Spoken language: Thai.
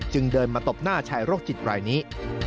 เดินมาตบหน้าชายโรคจิตรายนี้